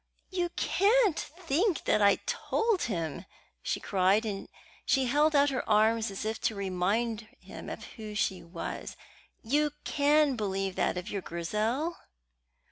"You can't think that I told him!" she cried, and she held out her arms as if to remind him of who she was. "You can believe that of your Grizel?"